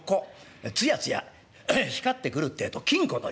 つやつや光ってくるってえと金狐といいます。